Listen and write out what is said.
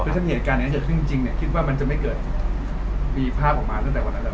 ประสิทธิ์เหมือนการเนี้ยเห็นจริงคิดว่ามันจะไม่เดินมีภาพออกมาลั้นแต่ว่านั้นครับ